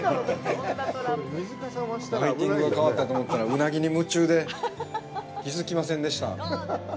ライティングが変わったと思ったらうなぎに夢中で気づきませんでした。